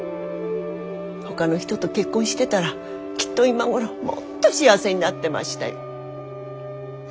ほかの人と結婚してたらきっと今頃もっと幸せになってましたよ。